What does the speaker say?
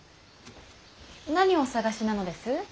何をお探しなのです？